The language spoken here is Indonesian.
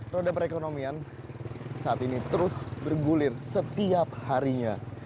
roda perekonomian saat ini terus bergulir setiap harinya